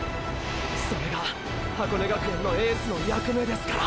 それが箱根学園のエースの役目ですから。